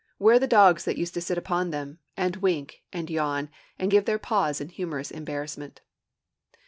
Where the dogs that used to sit up in them, and wink and yawn, and give their paws in humorous embarrassment?